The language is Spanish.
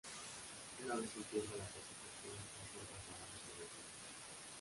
Una vez empieza la persecución, Mason tratará de sobrevivir.